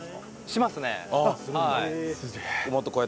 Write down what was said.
しますね。